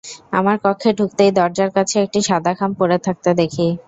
আমার কক্ষে ঢুকতেই দরজার কাছে একটি সাদা খাম পড়ে থাকতে দেখি।